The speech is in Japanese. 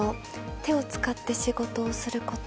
手をつかて仕事すること。